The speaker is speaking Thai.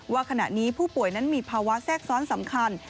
ว่าขณะนี้ผู้ป่วยนั้นมีภาวะแทรกซ้อนสำคัญ